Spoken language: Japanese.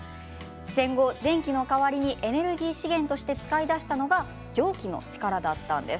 戦後、電気の代わりにエネルギー資源として使いだしたのが蒸気の力だったのです。